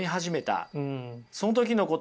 あその時のこと。